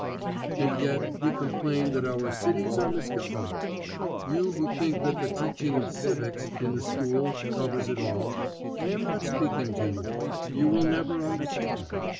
And yet we complain that our cities are misgoverned! You who think that the teaching of "civics" in the school covers it all, I am not speaking to you. You will never understand.